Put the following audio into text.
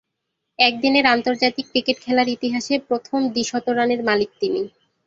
একদিনের আন্তর্জাতিক ক্রিকেট খেলার ইতিহাসে প্রথম দ্বি-শতরানের মালিক তিনি।